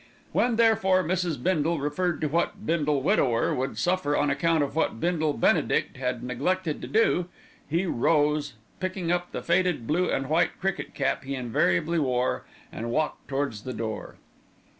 When, therefore, Mrs. Bindle referred to what Bindle widower would suffer on account of what Bindle benedict had neglected to do, he rose, picking up the faded blue and white cricket cap he invariably wore, and walked towards the door.